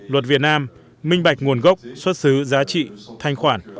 luật việt nam minh bạch nguồn gốc xuất xứ giá trị thanh khoản